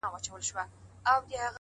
زور او زير مي ستا په لاس کي وليدی،